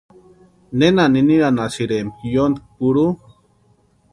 ¿Nena niniranhasïrempki yóntki purhu?